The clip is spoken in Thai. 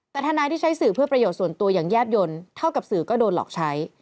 แต่ทนายที่ใช้สื่อเพื่อประโยชน์ส่วนตัวอย่างแยบยนต์เท่ากับสื่อก็โดนหลอกใช้